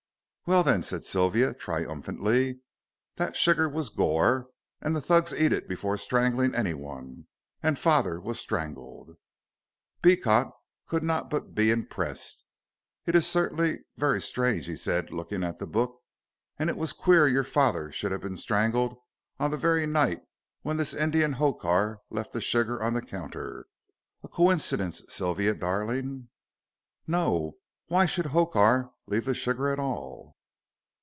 "Well, then," said Sylvia, triumphantly, "that sugar was goor, and the Thugs eat it before strangling anyone, and father was strangled." Beecot could not but be impressed. "It is certainly very strange," he said, looking at the book. "And it was queer your father should have been strangled on the very night when this Indian Hokar left the sugar on the counter. A coincidence, Sylvia darling." "No. Why should Hokar leave the sugar at all?"